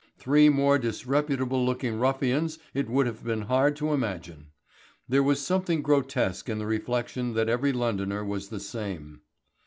Three more disreputable looking ruffians it would have been hard to imagine. There was something grotesque in the reflection that every Londoner was the same.